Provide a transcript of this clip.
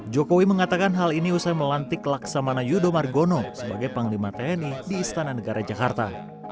jokowi mengatakan hal ini usai melantik laksamana yudho margono sebagai panglima tni di istana negara jakarta